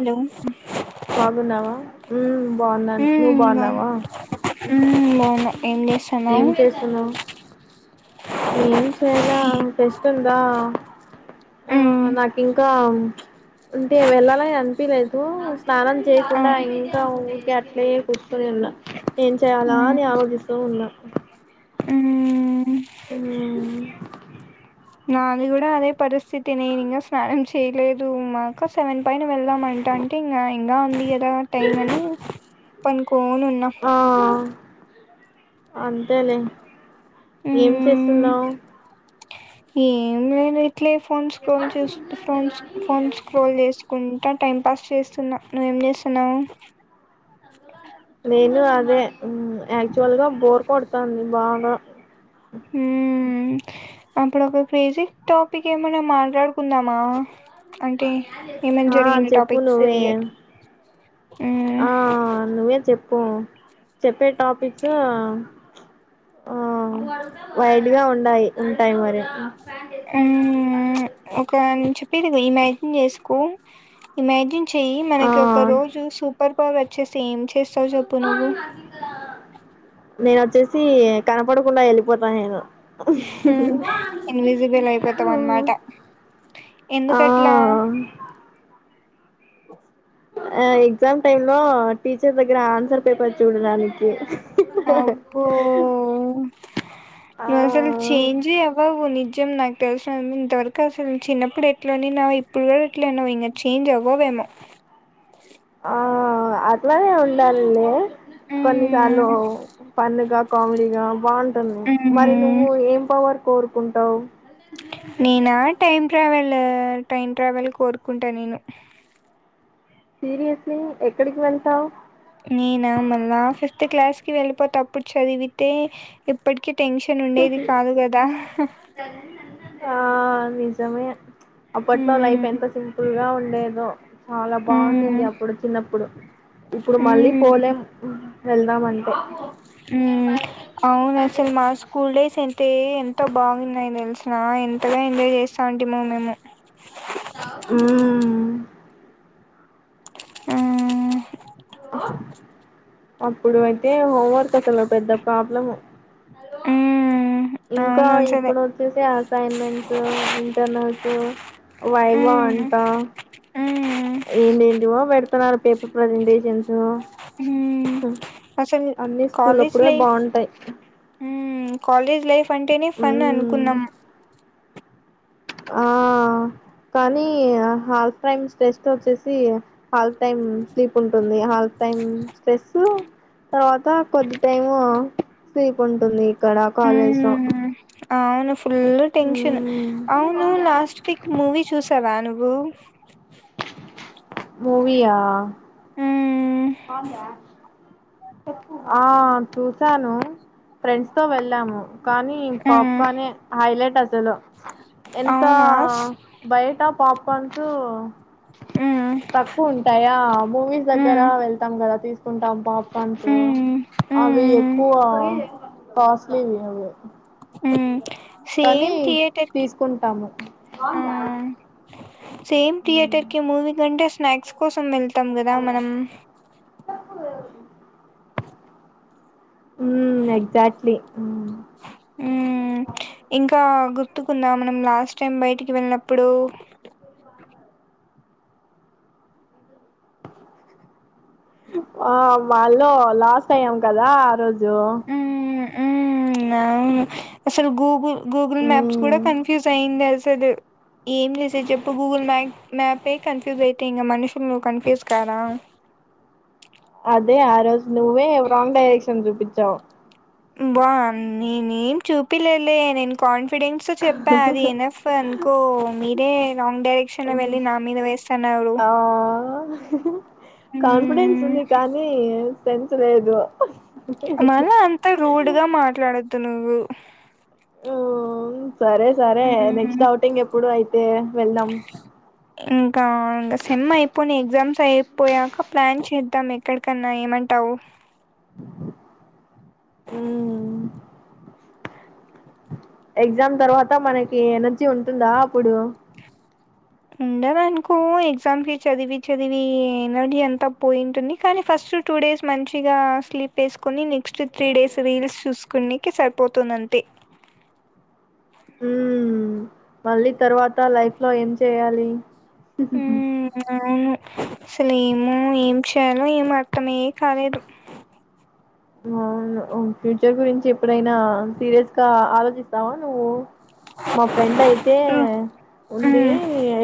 Hello బా ఉమ్ బాగు ఉమ్ బాగున్నా ఏం ఏం చేస్తున్నావు చేస్తున్నావు ఏం చేయాలనిపిస్తుందా ఆ ఉమ్ నాకింకా అంటే వెళ్ళాలని అనిపియ లేదు స్నానం ఆ చేయకుండా ఇంకా ఇంకా లేదు ఉత్తది న్న ఏం చేయ్యాలా ఉమ్ అని ఆలోచిస్తూ ఉన్నా అ [unintelligible] ఉ నాది గూడా అదే పరిస్థితి నేను ఇంకా స్నానం చేయలేదు మాక సెవెన్ పైన వెళ్దాం అంట అంటే ఇంకా ఇంకా ఉంది గదా టైం అని పను పోనున్నా ఆ అంతేలే ఏం చేస్తున్నావ్ ఏ అట్లే ఫోన్ స్క్రోల్ చేూ ఫోన్స్ ఫోన్ స్క్రోల్ చేసుకు నేన్ టైం పాస్ చేస్తున్నా నువ్వేం జెస్తున్నావు నేను అదే ఉ యాక్చువల్ గా బోర్ కొడతాంది బాగా ఉ ఉ అప్పుడు ఒక క్రేజిక్ టాపిక్ ఏమన్నా మాట్లాడుకుందామా అంటే ఆ ఏమనజరిగిన చెప్పు టాపిక్స్ నువ్వే వియట్ ప్పు చెప్పే టాపిక్స్ వైడ్గా ఉండాయి ఉంటాయి మరి ఫ్యాం ఇది ఇమాజిన్ జేసుకో ఇమాజిన్ చేయి ఆ మనకి ఒక రోజు సూపర్ పూ వచ్చే సేమ్ జ్ చేస్తావ జేప్పు నువ్వు నేన వచ్చేసి కనపడకుండా వెళ్ళిపోతా నేను ఇన్విజిబుల్ అయిపోతాం అనమాట ఆ అ ఓ ఆ ఎగ్జామ్ టైమ్ లో టీచర్ దగ్గర ఆన్సర్ పేపర్ చూడడానికి అబ్బో నువ్వు అస్సలు ఆ చెేంజే అవ్వవు నాకు తెలుసఅంతవరకు అసలు చిన్నప్పుడు ఎట్ల ఉండినావు ఇప్పుడు కూడా ఎట్ల ఉన్నావ్ ఇంకా చేంజ్ అవ్వవేమో ఆ.. అట్లానే ఉండాలి లే కొన్ని సార్లు మ్మ్. ఫన్ గ కామెడిగా బాన్ మరి మ్మ్. నువ్వు ఏం పవర్ కోరుకుంటావు నీనా టైం ట్రావల్ ట్రైన్ ట్రావెల్ కోరుకుంటా నేను సీరియస్లీ ఎక్కడికి వెళ్తావు క్లాస్ కి వెళ్ళిపోతప్పుడు చదివితే ఇప్పటికి టెన్షన్ ఉండేది కాదు గదా ఆ నిజమే అప్పట్లో లైఫ్ ఎంత సింపుల్ గా ఉన్ లేదు చాలా హ్మ్ బాగుండింది అప్పుడు చిన్నప్పుడు ఇప్పుడు మళ్ళీ హ్మ్ పోలెం వెళ్దామంతే ఊ.. అవును ఆసలు మా స్కూల్ డేస్ అయితే ఎంతో బాగున్నాయ తెలిసిన ఎంతగా ఎంజాయ్ చేస్తాంటిమొ మేము ఊ.. ఊ.. [inaudible] అప్పుడు అయితే హోంవర్క్ అసలు పెద్ద ప్రాబ్లం హ్మ్ ఇంకా అవును అసలు ఇప్పుడు వచ్చేసి అసైన్మెంట్స్ ఇంటర్నల్ ఆ. వైవా హ్మ్ అంటా హ్మ్ ఏంటి ఏంటివో పెట్ పెడుతున్నారు పేపర్ ప్రజెంటేషన్స్ హ్మ్ అసలు అన్నీ స్కూల్ కాలేజ్ అప్పుడే లైఫ్ బాగుంటాయి హ్మ్ కాలేజ్ లైఫ్ [unintelligible] అంటేనే ఫన్ ఉమ్ అనుకున్నాం ఆ కానీ హాల్ టైం స్టేస్ట్ వచ్చేసి ఆల్ టైం స్లీప్ ఉంటుంది హాల్ టైమ్ స్ట్రెస్సు తర్వాత కొద్ది టైము స్లీపు ఉంటుంది ఇక్కడ కాలేజ్ లో ఆ అవును ఫుల్ టెన్షన్ అవును లాస్ట్ వీక్ మూవీ చూసావా ను ఓ, మూవీయా? హ్మ్ బావుందా? ఆ చూసాను, ఫ్రెండ్స్ తో వెళ్ళాము. కానీ హ్మ్ పాప్కార్నే హైలైట్ అసలు. ఎంత అవునా బయట పాప్కార్న్ సు హ్మ్ తక్కువుంటాయా? మూవీస్ దగ్గర హ్మ్ వెళ్తాం కదా! తీసు ఉంటాం బా పంచ హ్మ్ అవి హ్మ్ ఎక్కువ కస్లీ ఇవి అవే హ్మ్ సేమ్ థియేటర్ కి తీసుకుంటాము ఆ సేమ్ థియేటర్ కి మూవీ అంటే స్నాక్స్ కోసం [unintelligible] త్తం గుదా మనం ఊ ఎక్జాక్ట్లీ ఉమ్ హ్మ్ ఇంకా గుర్తుకుందా మనం లాస్ట్ టైం బయటికి వెళ్ళినప్పుడు ఆ వాళ్ళా లాస్ అయ్యాం కదా ఆ రోజు జు ఊ అవును అసలు గూగుల్ గూగుల్ మ్యాప్స్ కూడా మ్మ్ కన్ఫ్యూజ్ అయిందేస్ సేదు ఏం చేసేది చెప్పు గూగుల్ మ్యాప్ మ్యాపే కన్ఫ్యూజ్ అయితే ఇంగ మనుషులు ను కన్ఫ్యూజ్ కారా అదే ఆ రోజు నువ్వే రాంగ్ డైరెక్షన్ చూపి తో బా నీనేం చూపిలేదులే నేను కాన్స్ ఫిడెన్స్ చెప్పా అది ఎనఫ్ అనుకో మీ బే రాంగ్ డైరక్షన్ వెళ్ళి నా మీద వేస్తున్నావు ఆ కాన్ఫిడెన్స్ ఉంది కానీ తెంచలేదు మళ్ళా అంత రూడ్ గా మాట్లాడద్దు నువ్వు అ సరే సర హ్మ్ నెక్స్ట్ ఔటింగ్ ఎప్పుడు యితు కే వెళ్దాం ఇంకా అండీ సెమ్ ఐపోయినయ ఎక్జామ్స్ ఏ పోయాక ప్లాన్ చేద్దాం ఎక్కడికన్న ఏమంటావు ఉమ్, ఎగ్జామ్ తర్వాత మనకి ఎనర్జీ ఉంటుందా అప్పుడు ఉండదనుకో ఎగ్జామ్కి చదివి చదివి ఎనది అంతా పోయింటుంది కానీ ఫస్ట్ టూ డేస్ మంచిగా స్లీప్ వేసుకొని నెక్స్ట్ త్రీ డేస్ రీల్స్ చూసుకునికి సరిపోతుంది అంతే ఉమ్, మళ్ళీ తర్వాత లైఫ్ లో ఏం చేయాలి హు హు హు అసలు ఏమో ఏం చేయాలో ఏం అర్థమే కాలేదు. అవును ఫ్యూచర్ గురించి ఎప్పుడైనా సిరియస్ గా ఆలోచిస్ రావ నువ్వు మా ఫ్రెండ్ అయితే హ్మ్. ఉంది హ్మ్.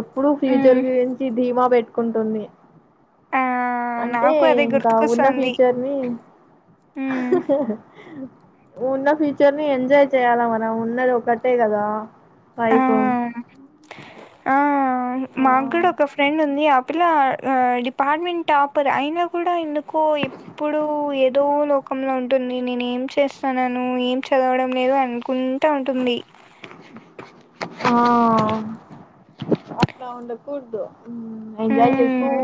ఎప్పుడు ఫ్యూచర్ హ్మ్. గురించి ధీమా పెట్ కుంటుంది ఆ! అంటే నాకు అదే ఇంకా ఉన్న గుర్తుకొస్తాంది. ఫ్యూచర్ ని హా హ్మ్. హా హ ఉన్న ఫ్యూచర్ ని ఎంజాయ్ చెయ్యాలా మనం ఉన్నది ఒకటే కదా ఆ లైఫ్ ఆ ఆ మా కూడా ఒక ఫ్రెండ్ ఉంది ఆ పిల ఆ ఆ డిపార్ట్మెంట్ టాపర్ అయినా కూడా ఎందుకో ఎప్పుడు ఏదో లోకంలో ఉంటుంది. నేను ఏం చేస్తున్నాను ఏం చదవడం లేదు అనుకుంటా ఉంటుంది. ఆ అట్లా ఉండకూడదు ఉమ్మ్ ఎంజాయ్ చేస్తూ ఉమ్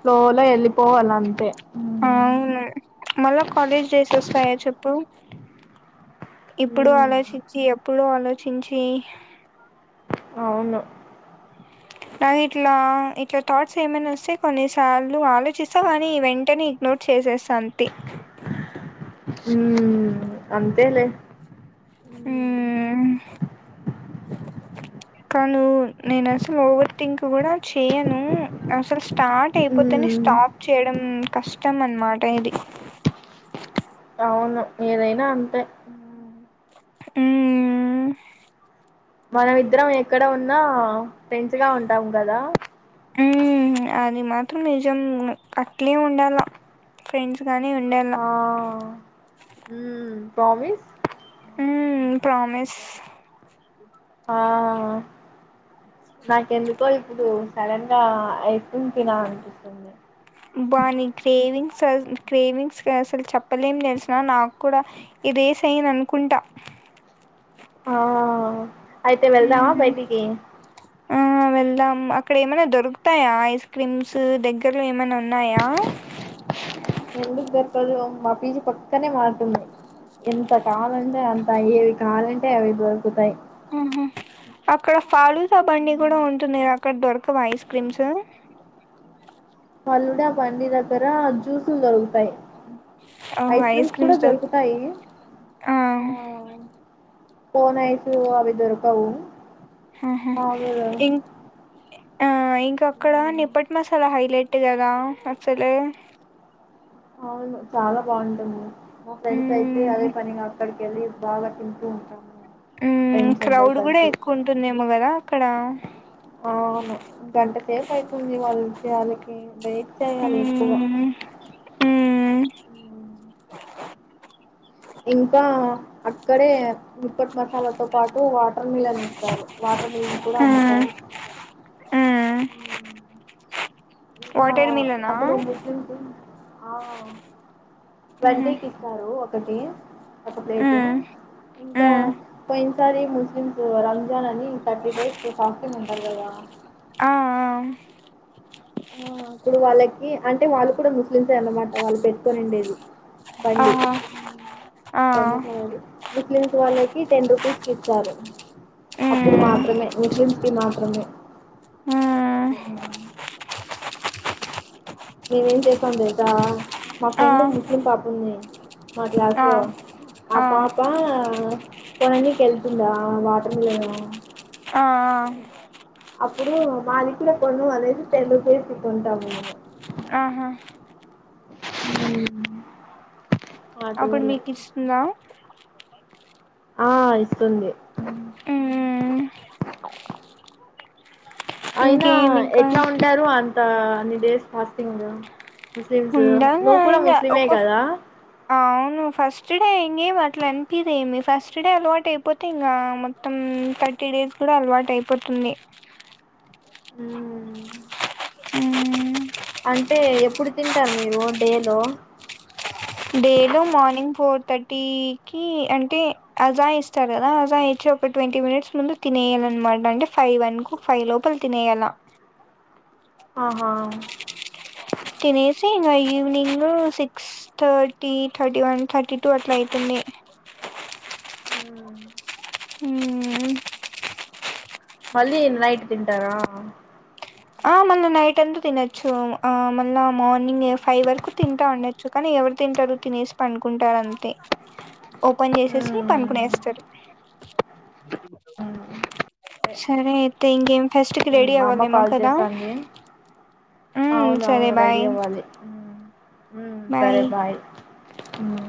ఫ్లో లో వెళ్ళి పోవాలంతే అవును మళ్ళ కాలేజ్ డేస్ వస్తాయా చెప్పు ఇప్పుడు ఉమ్, ఆలోచించి ఎప్పుడు ఆలో చించి అవును నా ఇట్లా ఇట్లా థాట్స్ ఏమైనా వస్తే కొన్నిసార్లు ఆలో చిస్త కానీ వెంటనే నోట్ చేసేసాన్ టి హుమ్ అంతేలే ఊ ఉ కను నేను అసలు ఓవర్థింక్ కూడా చేయను అసలు స్టార్ట్ అయిపోతేనే ఉమ్, స్టాప్ చేయడం కష్టం అన్నమాట ఇది అవును ఏదైనా అంతే ఊ ఊఉ మనమిద్దరం ఎక్కడ ఉన్నా ఫ్రెండ్స్ గా ఉంటాము కదా మ్మ్ అది మాత్రం నిజం అట్లే ఉండాల ఫ్రెండ్స్ గానే ఉండాల హా ఉమ్ ప్రామిస్ ఉమ్ ప్రామిస్ ఆ నాకు ఎందుకో ఇప్పుడు సడన్ గా ఐస్క్రీమ్ తినాలి అనిపిస్తుంది. అసల్ క్రేవింగ్స్ కి అసలు చెప్పలేం తెలుసునా నాకు కూడా ఇదే సైన్ అనుకుంటా. ఆ అయితే వెళ్దామా మ్మ్ బయటికి ఆ వెళ్దాం అక్కడ ఏమైనా దొరుకుతాయా ఐస్ క్రీమ్స్ దగ్గర్లో ఏమైనా ఉన్నాయా. [unintelligible] [inaudible] ఎందుకు దొరకదు మా పీజీ పక్కనే మార్ట్ ఉంది. ఎంత కావాలంటే అంత ఏవి కావాలంటే అవి దొరుకుతాయి. ఉమ్ హూ అక్కడ ఫాలుద బండి కూడా ఉంటుంది. అక్కడ దొరకవ ఐస్ క్రీమ్స్ ఫలుడ బండి దగ్గర జ్యూసులు దొరుకుతాయి. ఆ ఐస్ క్రీమ్స్ దొరుకు ఆ కోనైసు అవి దొరకవు. హా హా బాగోదా ఇంక్ ఆ ఇంకా అక్కడ హ్మ్. నిప్పట్ మసాలా హైలైట్ కదా అసలే అవును చాలా బాగుంటుంది. మా ఫ్రెండ్స్ అయితే అదే మ్మ్ పనిగా అక్కడికి వెళ్లి బాగా తింటూ ఉంటాము. ఉమ్ ఫ్రెండ్స్ అందరు క్రౌడ్ కూడా కలిసి ఎక్కువ ఉంటుందేమో కదా. అక్కడ అవును గంట సేపు అయితుంది వాళ్లు వచ్చే యాలకి వైట్ చేయాలి ఎక్కువ హ్మ్. మ్ ఇంకా అక్కడే ముప్పట్ మసాలాతో పాటు వాటర్ మిలన్ ఇస్తారు వాటర్ మిలన్ కూడా మ్మ్ అమ్ముతారు. మ్మ్ హ్మ్. ఇంకా వాటర్ మిలనా అప్పుడు ముస్లిమ్స్ ఆ మ్మ్ ట్వంటీకి ఇస్తారు ఒకటి. ఒక ప్లేటు మ్మ్ ఇంకా మ్మ్ పోయిన్ సారి ముస్లింస్ రంజాన్ అని థర్టీ డేస్ ఫాస్టింగ్ ఉంటారు కదా ఆ ఆ ఇప్పుడు వాళ్లకి అంటే వాళ్లు కూడా ముస్లిమ్సే అన్నమాట వాళ్లు పెట్టుకొని ఉండేది. ఆ బండి ఆ ఆ [unintelligible] ముస్లిమ్స్ వాళ్ళకి టెన్ రూపీస్ కి ఇ సరే అప్పుడు మ్మ్ మాత్రమే ముస్లిమ్స్ అది మాత్రమే ఆ మేమేం చేసాం తెలుసా మా ఆ ఫ్రెండ్ ముస్లిం పాపుంది మా క్లాసు ఆ ఆ లో ఆ పాప కొననీకి వెళ్తుందా వాటర్ మిలను ఆ ఆ ఆ! అప్పుడు మాది కూడా కొను అనేసి టెన్ రూపీస్ కొంటాము మేము ఆహా ఉమ్ అప్పుడు మెకిస్తుందా ఆ ఇస్తుంది మ్మ్ అయినా ఇంకేం ఇంకా ఎట్లా ఉంటారు అం అన్ని డేస్ ఫాస్టింగ్ ముస్లిమ్స్ ఉండంగా నువ్వు ఆ కూడా ఇంగ ముస్లిమే ఒక కదా అవును ఫస్ట్ హే ఇంకేం అట్లా అనిపీయదే ఏమి ఫస్ట్ డే అలవాటు అయిపోతే ఇంకా మొత్తం థర్టీ డేస్ కూడా అలవాటు అయిపోతుంది ఉమ్ ఉమ్ అంటే ఎప్పుడు తింటారు మీరు డే లో డేలో మార్నింగ్ ఫోర్ థర్టీకి అంటే అజా ఇస్తారు కదా అజా ఇచ్చి ఒక ట్వంటీ మినిట్స్ ముందు తినేయాలన్నమాట అంటే ఫైవ్ వనుకో ఫైవ్ లోపల తినేయాల ఆహా తినేసి ఇంక ఈ evening six thirty thirty one thirty two అట్లా అయితుంది మ్మ్. ఉమ్ మళ్ళి నైట్ తింటారా ఆ మళ్ళా నైట్ అంతా తినొచ్చు ఆ మళ్ళా మార్నింగ్ ఫైవ్ వరకు తింటా ఉండొచ్చు కానీ ఎవరు తింటారు తినేసి పన్కుంటారు అంతే ఓపెన్ చేసేసి పనుకునేస్త సరే సరే అయితే ఇంకేం ఫెస్ట్ కి రెడీ అవ్వాలా నేమో చేస్తాంది ఉమ్ అవును సరే అవును రెడీ బాయ్ అవ్వాలి ఉమ్ ఉమ్ సరే బాయ్ ఉమ్